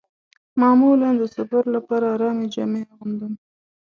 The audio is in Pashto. معمولاً د سفر لپاره ارامې جامې اغوندم.